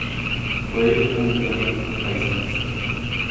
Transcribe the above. Fue un gran paisajista.